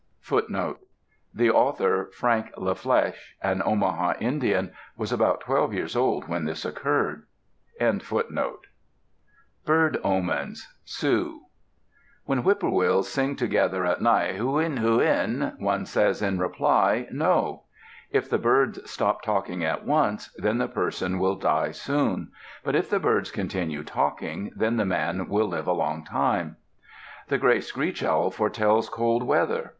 FOOTNOTE: [G] The author, Frank La Flèche, an Omaha Indian, was about twelve years old when this occurred. BIRD OMENS Sioux When whippoorwills sing together at night, "Hohin, hohin," one says in reply, "No." If the birds stop talking at once, then the person will die soon. But if the birds continue talking, then the man will live a long time. The gray screech owl foretells cold weather.